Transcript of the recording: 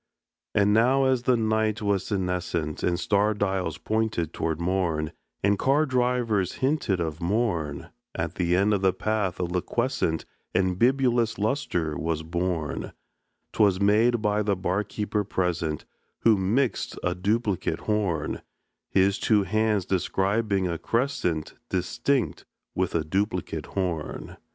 And now as the night was senescent, And star dials pointed to morn, And car drivers hinted of morn, At the end of the path a liquescent And bibulous lustre was born; 'Twas made by the bar keeper present, Who mixed a duplicate horn, His two hands describing a crescent Distinct with a duplicate horn.